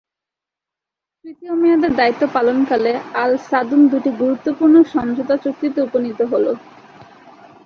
তৃতীয় মেয়াদে দায়িত্ব পালনকালে আল-সাদুন দুইটি গুরুত্বপূর্ণ সমঝোতা চুক্তিতে উপনীত হন।